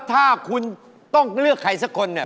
ถ้าคุณต้องเลือกใครสักคนเนี่ย